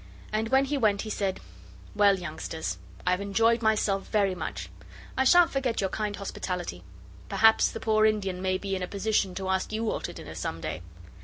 And when he went he said 'Well, youngsters, I've enjoyed myself very much. I shan't forget your kind hospitality. Perhaps the poor Indian may be in a position to ask you all to dinner some day.